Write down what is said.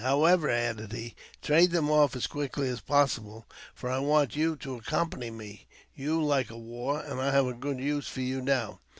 " However," added he, " trade them off as quickly as possible, for I want you to accompany me. You like war, and I have good use for you now."